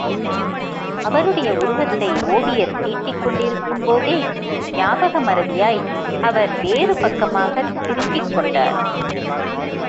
அவருடைய உருவத்தை ஒவியர் தீட்டிக் கொண்டிருக்கும் போதே ஞாபக மறதியாய் அவர் வேறு பக்கமாகத் திரும்பிக் கொண்டார்.